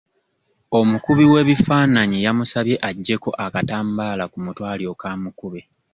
Omukubi w'ebifaananyi yamusabye agyeko akatambaala ku mutwe alyoke amukube.